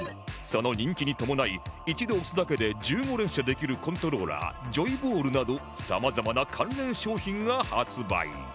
その人気に伴い一度押すだけで１５連射できるコントローラージョイボールなどさまざまな関連商品が発売